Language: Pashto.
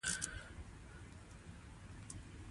د افغانستان طبیعت له پابندی غرونه څخه جوړ شوی دی.